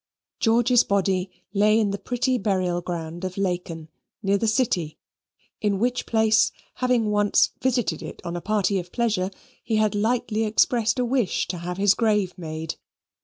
George's body lay in the pretty burial ground of Laeken, near the city; in which place, having once visited it on a party of pleasure, he had lightly expressed a wish to have his grave made.